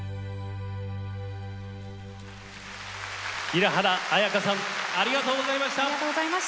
平原綾香さんありがとうございました。